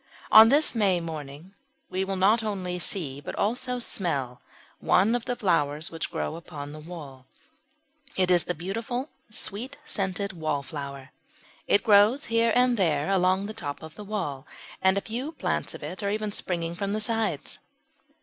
On this May morning we not only see, but also smell, one of the flowers which grow upon the wall it is the beautiful sweet scented Wallflower. It grows here and there along the top of the wall, and a few plants of it are even springing from the sides.